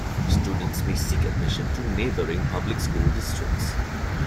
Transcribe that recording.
Students may seek admission to neighboring public school districts.